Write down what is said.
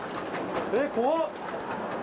えっ怖っ。